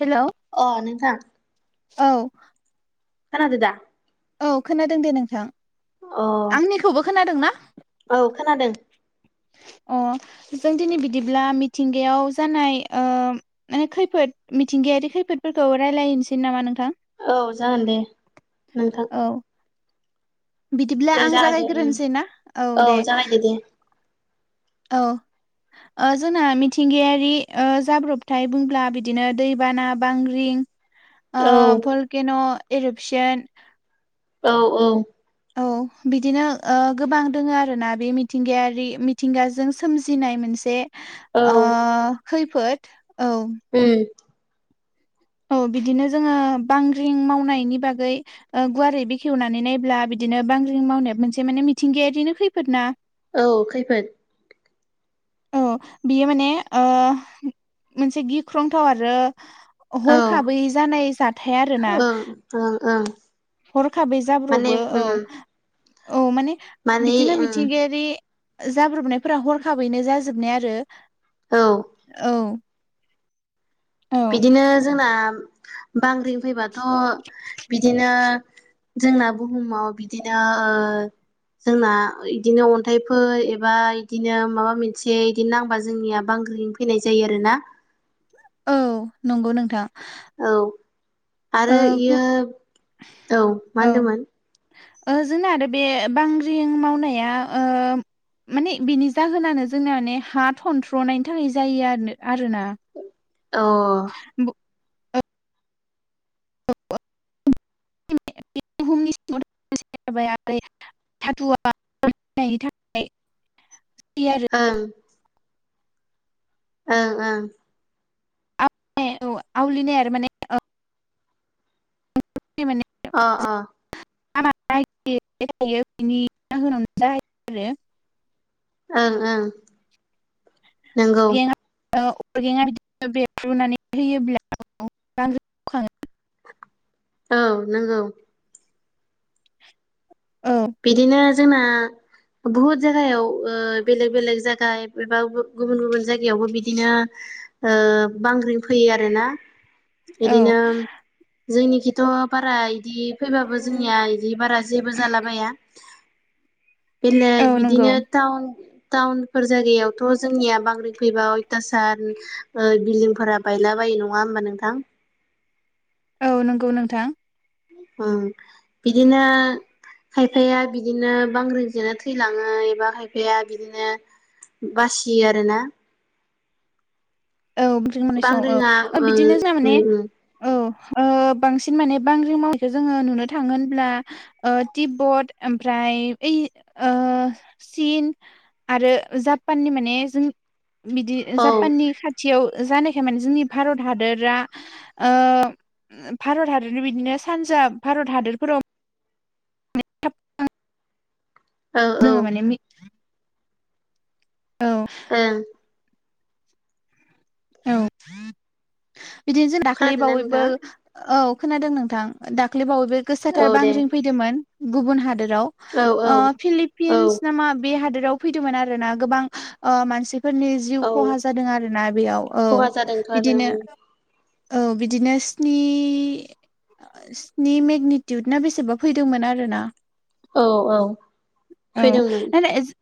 Hello अ' नोंथां। औ। खोनादोंदा? औ खोनादों दे नोंथां। अ' आंनिखौबो खोनादों ना? औ खोनादो। अ। अ जों दिनै बिदिब्ला मिथिंगायाव जानाय औम माने खैफोद मिथिंगायाव बेदि खैफोदफोरखौ रायलायनोसै नामा नोंथां औ जागोन दे नोंथां। औ बिदिब्ला दे आं जागायदो उम जागायग्रोनोसै ना औ दे जागायदो दे औ। ओ जोंहा मिथिंगायारि ओ जाब्रबथाय बुंब्ला बिदिनो दैबाना बांग्रिं ओ औ भलकेन' एरिप्शन औ औ। औ बिदिनो ओ गोबां दोङो आरोना बे मिथिंगायारि मिथिंगाजों सोमजिनाय मोनसे आ खैफोद औ ओम। औ बिदिनो जोङो बांग्रिं मावनायनि बागै ओ गुवारै बेखेवनानै नायब्ला बिदि बिदिनो बांग्रिं मावनायाबो मोनसे माने मिथिंगायारिनो खैफोद ना औ खैफोद। औ बियो माने अ' मोनसे गिख्रंथाव आरो औ हरखाबै जानाय जाथाय आरो ना ओं ओं ओं हरखाबै माने जाब्र'बो उम औ औ माने माने बिदिनो उम मिथिंगायारि जाब्रबनायफोरा हरखाबैनो जाजोबनाय आरो औ औ औ बिदिनो जोंना बांग्रि फैबाथ' बिदिनो जोंना बुहुमाव बिदिनो ओ ओ जोंना इदिनो अन्थाइफोर एबा इदिनो माबा मोनसे इदि नांबा जोंनिया बां गोयै फैनाय जायो आरो ना औ नंगौ नोंथां। औ ओ आरो गु इयो औ मा होनदोंमोन? ओ जोंनाआरो बे बांग्रिं मावनाया माने बिनि जाहोनानो जोंना माने हा थनथ्र'नायनि थाखाय जायो आरोना। औ। [unintelligible] बुहुमनि सिङाव थानाय जेबोला बै धातुवा बौनायनि थाखाय ओं। ओं ओं। ए औ आवलिनाय आरो माने माने अ अ [unintelligible] ओं ओं नोंगौ [unintelligible] औ नोंगौ बिदिनो जोंना बुहुत जायगायाव ओ बेलेग बेलेग जायगा एबा गुबुन गुबुन जायगायावबो बिदिनो ओ बांग्रिं फैयो आरोना। औ औ बिदिनो जोंनिखिथ' बारा इ दि फैबाबो जोंनिया इदि बारा जेबो जालाबाया। बेलेग औ नंगौ बिदिनो टाउन टाउनफोर जायगायावथ' जोंनिया बांग्रि फैबा अयथासान बिल्दिंफोरा बायला बा यो नङा होमबा नोंथां? औ नोंगौ नोंथां। ओं बिदिनो खायफाया बिदिनो बांग्रिंजोंनो थैलाङो एबा खायफाया बिदिनो बासियो आरोना। औ बांग्रिङा [unintelligible] बिदिनो ओ जोंना माने उम उम औ। ओ बांसिन माने बांग्रि मावनायखौ जोङो नुनो थाङो होमब्ला टिबट ओमफ्राय फ्राय ओइ ओ चिन आरो जापाननि माने जों बिदि औ जापाननि खा थियाव जानायखाय माने जोंनि भारत हादोरा ओ भारत हादरनि बिदिनो सान‌ पान्जाब भारत हादरफोराव [unintelligible] औ औ जोङो माने औ ओं औ बिदिनो जों दाख्लै खोनादोंना बावैबो नोंथाङा? औ खोनादों नोंथां दाखलैबवैबो औ गोसाथार दे बांग्रि फैदोंमोन गुबुन हादोर औ औ राव औ फिलिपिन्स नामा बे हादोराव फैदोंमोन आरो ना गोबां ओ मानसि फोरनि जिउ औ खहा जादों आरोना बेयाव औ खहा जादोंथ' आरो बिदिनो औ बिदिनो स्नि स्नि मेगनेटिउद ना बेसेबा फैदोंमोन आरो ना। औ औ औ फैदोंमोन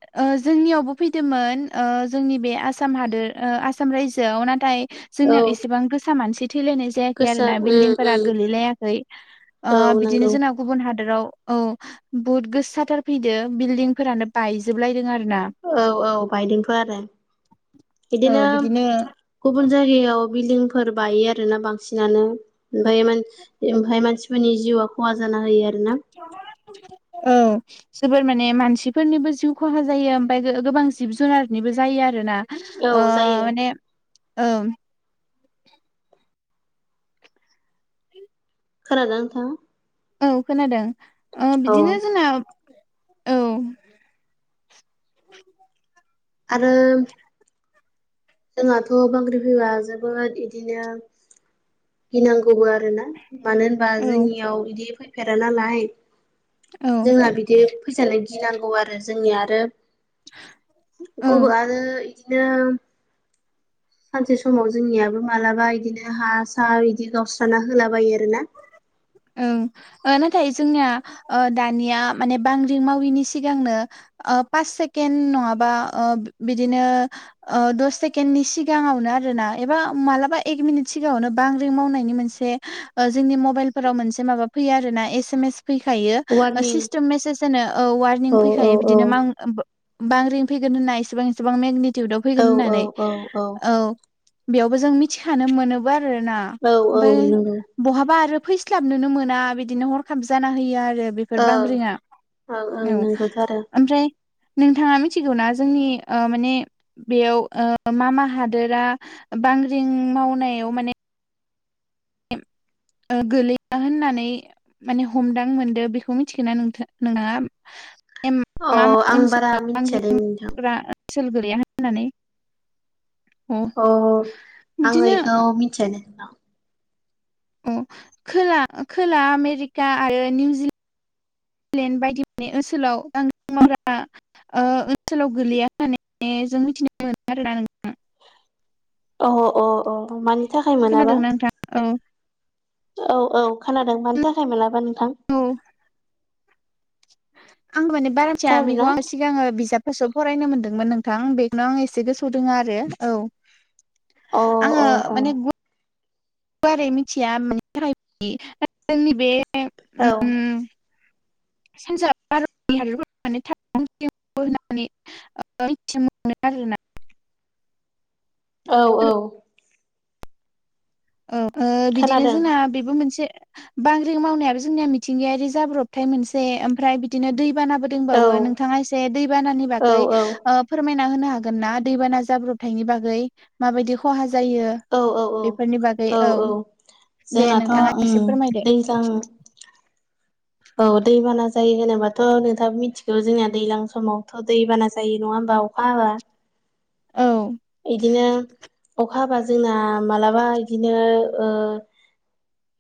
[unintelligible] जोंनियावबो फैदोंमोन ओ जोंनि बे आसाम हादोर आसाम रायजोआव नाथाय औ जोंनियाव एसेबां गोसा मानसि थैलायनाय जायाखै गोसा आरोना उम बिल्डिंफोरा उम गोलैलायाखै ओ औ बिदिनो नंगौ जोंना गुबुन हाद हदोराव औ बुहुत गोसाथार फैदो बिल्डिं फोरानो बायजोबलायदों आरो। ना औ औ बायदोंथ' आरो बिदिनो गुबुन जागायाव बिल्डिंफोर बायो आरो ना बांसिनानो ओमफाय ओमाफाय मानसिफोर फोरनि जिउआ खहा जाना होयो आरो। औ जोबोर माने मानसिफोरनिबो जिउ खहा जायो ओमफाय गोबां जिब जुनारनिबो जायो आरो ना। औ ओ जायो माने ओम। खोनादोना नोंथां? औ खोनादों ओ बिदिनो जोंना औ आरो जोंहाथ' बांग्रि फैबा जोबोद इदिनो गिनांगौबो आरो ना। मानो होनबा जोंनियाव बिदि फैफेरा नालाय। औ जोंना बिदि फैजानो गिनांगौ आरो जोंनिया आरो औ [unintelligible] आरो इदिनो सानसे समाव जोंनियाबो मालाबा इदिनो हा सा बिदि गावस्राना होलाबायो आरोना औ ओ नाथाय जोंनिया ओ दानिया माने बांग्रिं माविनि सिगांनो ओ पास सेकेन्द नंङाबा ओ बिदिनो ओ दस सेकेन्द'नि सिगांङावनो आरो ना ऐबा बा मालाबा एक मिनिट सिगांङावनो बांग्रिं मावनायनि मोनसे ओ जोंनि मबाइलफोराव मोनसे माबा फैयो आरोना एसे मेस फैखायो ओ वारनिं सिस्टिम मेसेज होनो ओ वारनिं औ फैखायो औ बिदिनो मा ङो फो बांग्रिं फैगोन होनना इसेबां इसेबां मेगनेटिउदाव फैगोन औ होननानै औ। बेयावबो जों मिथिखानो मोनोबो आरोना औ औ ओमफाय नंगौ माबा आरो फैस्लाबनोनो मोना बिदिनो हरखाब जाना होयो आरो। ओ बेफोर ओं बांग्रिङा ओं ओं औ नंगौथ' आरो ओमफ्राय नोंथांङा मिथिगौना जोंनि ओ माने बेयाव ओ मा मा हादोरा बांग्रिं मावनायाव माने [unintelligible] होननानै माने हमदां मोनदो बेखौ मिथिगो ना नोंथां नोंथांङा? एम अ मा मा आं बारा ओनसोलाव मिथिया दे नोंथां बांग्रिंफोरा ओनसोल गोलैया होननानै अ औ आं बिदिनो इखौ मिथियानो नोंथां। अ' खोला खोला आमेरिका आरो निउजिलेण्ड इंलेण्ड बायदि माने ओसोलाव बांग्रिं मावग्रा ओ ओनसोलाव गोलैया होननानै जों मिथिनो मोनो आरोना नोंथां। अ अ अ मानि थाखाय मोनाबा खोनादोंना नोंथां औ औ औ खोनादों मानि थाखाय मोनाबा नोंथां। औ आं माने बारा मिथिया बेखौ खोनादोंना आं सिगांङो बिजाबफोरसो फरायनो मोन्दोंमोन नों नोंथां बेगनां एसे गोसोआव दंङो आरो औ अ अ आंङो अ माने गुवारै मिथिया माने थाखाय बिदि जोंनि बे औ उम सानजा भारतनि हादोरफोराव माने था बुंथियो बो होननानै ओ मिथि मोनो आरोना। औ औ औ ओ बिदिनो खोनादों जोंना बेबो मोनसे। बांग्रिं मावनायाबो जोंनिया मिथिंगायारि जाब्रबथाय मोनसे ओमफ्राय बिदिनो दै बानाबो औ दंबावो नोंथांङा एसे दै बानानि औ बागै ओ औ फोरमायना फोरमायना होनो हागोनना? दै बाना जाब्रबथायनि बागै माबायदि खहा जा औ औ औ औ औ दे जोंनाथ' नोंथाङा उम एसे फोरमायदो दैज्लां औ दैबाना जायो होनोबाथ' नोंथांङाबो मिथिगौ जोंनिया दैज्लां समावथ' दैबाना जायो नंङा नंङा होमबा अखा हाबा औ इदिनो अखा हाबा जोंना मालाबा इदिनो ओ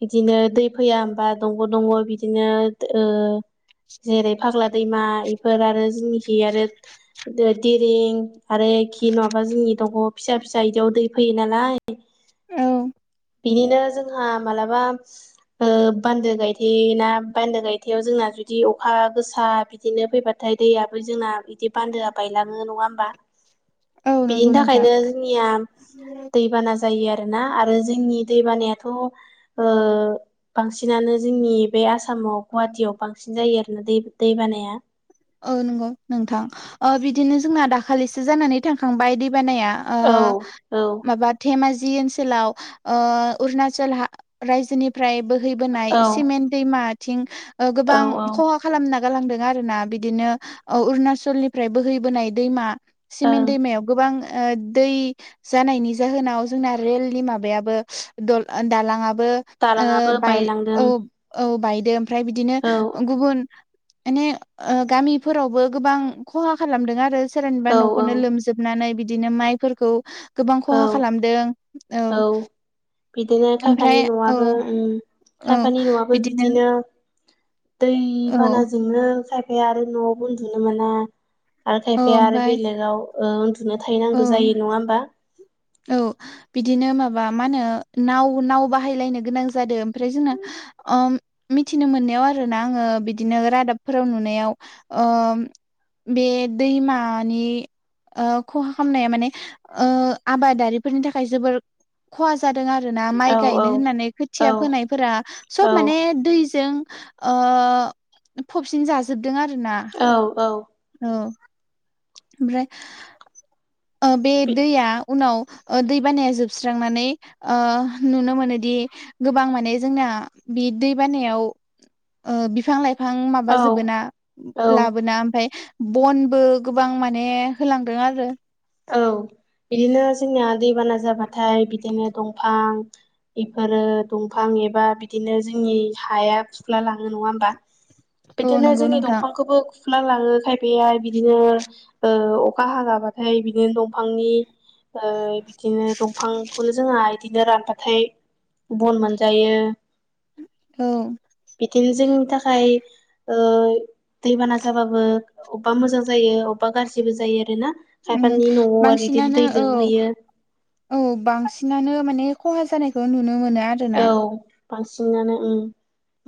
इदिनो दै फैया होमबा दंग' दंग' इदिनो दो ओ जेरै फाग्ला दैमा इफोर आरो जोंनिखि आरो दिरिं आरोखि नंङाबा जोंनि दंग फिसा फिसा इदियाव दै फैयो नालाय। औ बिनिनो जोंहा मालाबा ओ बान्दो गायथे ना बान्दो गायथेआव जोंना जुदि अखा गोसा बिदिनो फैबाथाय दैयाबो जोंना बिदि बान्दोआ बायलांङो नंङा होमबा। औ नंगौ बिदिनि नोंथां थाखायनो जोंनिया दैबाना जायो आरोना आरो जोंनि दै बानायाथ' ओ बांसिनानो जोंनि बे आसामाव गुवाहाटियाव औ बांसिन जायो आरोना दै दै बानाया। औ नंगौ नोंथां ओ बिदिनो जोंना दाखालिसो जानानै थांखांबाय दै दै बानाया ओ औ औ माबा धेमाजि जि ओनसोलाव ओ उरनाचल हा रायजोनिफ्राय बो बोहैबोनाय औ सिमेन दैमाथिं ओ औ गोबां औ खहा खालामना गालांदों आरोना बि बिदिनो ओ अरुणाचलनिफ्राय बोहैबोनाय दैमा सिमेन्ट ओं दैमायाव गोबां ओ दै जानायनि जाहोनाव जोंना रेलनि माबायाबो द दालाङाबो बो दालाङाबो ओ बाय बायलांदों औ औ बायदो ओमफ्राय बिदिनो औ गुबुन माने ओ गामिफोरावबो गोबां खहा खालामदों आरो सोरनिबा औ औ न'खौनो लोमजोबनानै बिदिनो माइफोरखौ गोबां औ खहा खालामदों औ बिदिनो खायफानि ओमफ्राय औ न'आबो उम औ खायफानि न'आबो बिदिनो दै औ बानाजोंनो खायफाया आरो न'आव उन्दुनो मोना आरो औ खायफाया आरो ओमफ्राय बेलेगाव ओ उन्दुनो औ थाहैनांगौ जायो नङा होमबा औ बिदिनो माबा मा होनो नाव नाव बाहायलायनो गोनां जादों ओमफ्राय जोंना अ मिथिनो मोननायाव आरोना आङो बिदिनो रादाबफोराव नुनायाव बे दैमानि खहा खालामनाया माने ओ आबादारिफोरनि थाखाय जोबोर खहा जादों आरोना माइ औ औ गायनो होननानै खोथिया औ फोनायफोरा सब औ माने दैजों ओ फबसिन जाजोबदों आरोना औ औ औ ओमफ्राय बे बि दैया उनाव दै बानाया जोबस्रांनानै ओ नुनो मोनोदि गोबां माने जोंना ना बि दै बानायाव ओ बिफां लाइफां बिफां औ माबााजोबोना औ लाबोना ओमफफ्राय बनबो गोबां माने होलांदों आरो औ बिदिनो जोंनिया दैबाना जाबाथाय बिदिनो दंफां इफोरो दंफां एबा बिदिनो जोंनि हाया फुख्ला लाङो नङा होमबा? औ बिदिनो नंगौ जोंनि नोंथां दंफांखौबो खुफ्ला लाङो खायफाया बिदिनो ओ अखा हागाबाथाय बिदिनो दंफांनि ओ बिदिनो दंफांखौनो जोंहा बिदिनो रानबाथाय बन मोनजायो औ गिल जोंनि थाखाय ओ दैबाना जाबाबो अबेबा मोजां जायो अबेबा गाज्रिबो जायो आरोना उम खायफानि न'आव आरो बिदिनो बांसिनानो दै औ लोमहैयो औ बांसिनानो माने खहा जानायखौ नुनो मोनो आरोना औ बांसिनानो उम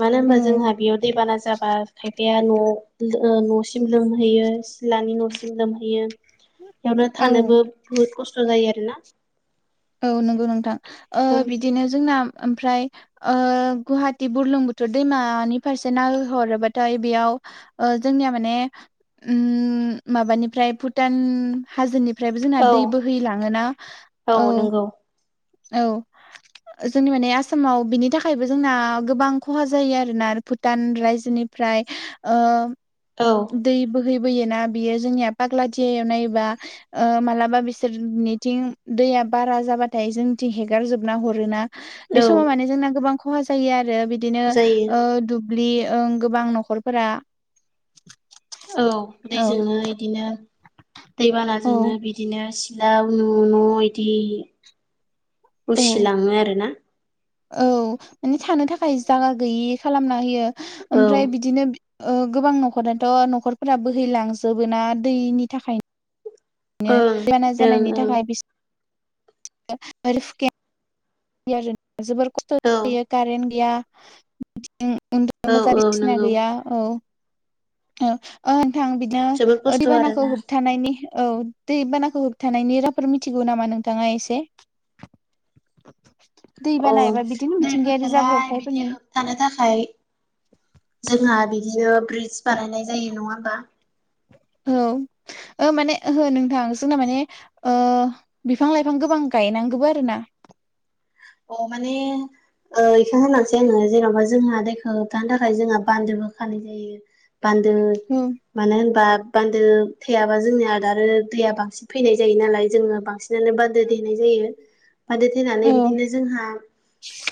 मानो औ होनबा जोंहा बेयाव दैबाना जाबा खायफा खायफाया न' न'सिम लोमहैयो सिथलानि न'सिम लोमहैयो बेयावनो औ थानोबो बुहुद खस्थ' जायो आरोना औ नंगौ नोंथां ओ ओं बिदिनो जोंना ओमफ्राय ओ गुवाहाटि बुरलुं बुथुर दैमानि फारसे ननायहरोबाथाय बेयाव ओ जोंनिआ माने उम माबानिफ्राय भुटान हाजोनि ओमफ्रायबो जोंना औ दै बोहैलाङोना औ औ जोंनि माने आसामाव बिनि थाखायबो जोंना गोबां खहा जायो आरोना भुटान रायजोनि फ्राय ओ औ दै बो बोहैफोयोना बियो जोंनिया फाग्लादियाआव नायोबा मालाबा ओ बिसोरनिथिं दैया बारा जाबाथाय जोंथिं हेगार जोबना हरोना बे औ समाव माने जोंना गोबां खहा जायो आरो बिदिनो जायो ओ दुब्लि ओं गोबां न'खरफोरा औ औ दैजोंनो बिदिनो औ दैबानाजोंनो बिदिनो सिलाव न' न' इदि औ उसिलाङो आरोना औ माने थानो थाखाय जायगा गैयि खालामना होयो औ ओमफ्राय बिदिनो ओ गोबां न'खरनाथ' न'खरफोरा बोहैलांजोबो ना दैनि थाखाय बिनो ओं बाना जानायनि ओं थाखाय बि [unintelligible] जोबोर खस्थ' औ जायो कारेन्ट गैया उ उन्दुनो औ मोजा औ बसिना नंगौ गैया औ औ। थां बिदिनो जोबोद ओ खस्थ' दैबानाखौ आरोना होबथानायनि औ दैबानाखौ होबथानायनि राहाफोर मिथिगौ नामा नोंथाङा एसे? अ दैबाना एबा बिदिनो मिथिंगायारि दैफोरखौलाय बिदि जाब्रबथायफोरनि होबथानो थाखाय जोंहा बिदिनो ब्रिडज बानायनाय जायो नङा होमबा? औ ओ माने ओहो नोंथां जोंना माने ओ बिफां लाइफां गोबां गाय गायनांगोबो आरोना। अ माने ओ इखो होनांसै आङो जेन'बा जोंहा दैखौ होबथानो थाखाय जोंहा बान्दोबो खानाय जायो। बान्दो औ मानो होनबा बान्दो थेयाबा जोंनिआ आरो दैया बांसिन फैनाय जायो नालाय जोङो बांसिन बिदिनो बान्दो थेनाय जायो बान्दो थेनानै औ बिदिनो जोंहा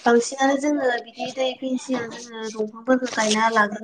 बांसिनानो जोङो बिदि दै फैयिनि सिगां जोङो दंफांफोरखौ गायना लाग्रो